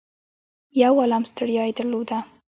يو عالُم ستړيا يې درلوده.